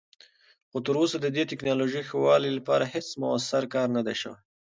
خو تراوسه د دې تکنالوژۍ ښه والي لپاره هیڅ مؤثر کار نه دی شوی.